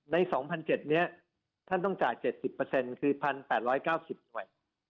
ใน๒๗๐๐นี้ท่านต้องจ่าย๗๐คือ๑๘๙๐หน่วย